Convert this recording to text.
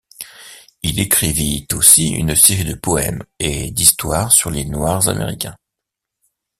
Il écrivit aussi une série de poèmes et d'histoires sur les Noirs-américains.